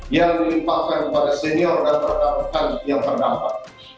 yang dilimpahkan kepada senior dan pekan pekan yang berdampak